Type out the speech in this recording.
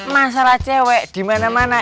masalah cewek di mana mana